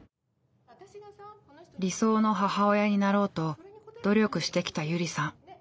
理想の母親になろうと努力してきたゆりさん。